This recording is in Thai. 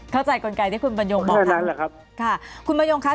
เข้าใจกลไกลที่คุณบรรยงบอกครับเพื่อนั้นแหละครับค่ะคุณบรรยงค่ะ